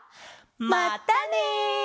まったね！